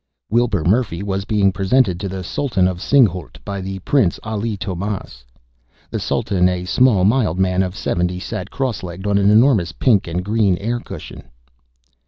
Wilbur Murphy was being presented to the Sultan of Singhalût by the Prince Ali Tomás. The Sultan, a small mild man of seventy, sat crosslegged on an enormous pink and green air cushion.